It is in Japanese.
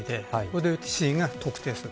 それで死因が特定される。